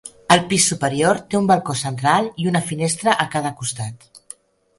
El pis superior té un balcó central i una finestra a cada costat.